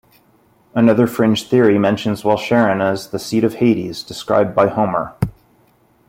Another fringe theory mentions Walcheren as the seat of Hades, described by Homer.